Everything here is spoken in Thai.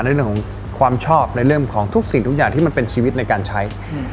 ในเรื่องของความชอบในเรื่องของทุกสิ่งทุกอย่างที่มันเป็นชีวิตในการใช้